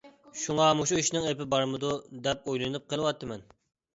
شۇڭا «مۇشۇ ئىشنىڭ ئېپى بارمىدۇ؟ » دەپ ئويلىنىپ قىلىۋاتىمەن.